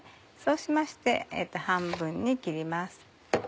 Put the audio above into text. そうしまして半分に切ります。